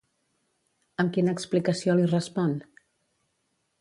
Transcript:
Amb quina explicació li respon?